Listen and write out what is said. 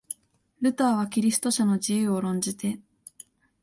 ルターはキリスト者の自由を論じて、